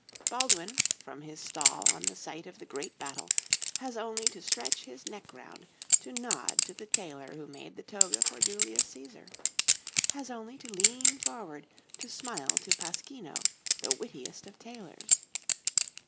Baldwin, from his stall on the site of the great battle, has only to stretch his neck round to nod to the tailor who made the toga for Julius Cæsar; has only to lean forward to smile to Pasquino, the wittiest of tailors.